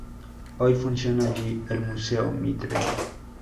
Hoy funciona allí el Museo Mitre.